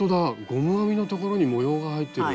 ゴム編みのところに模様が入ってる。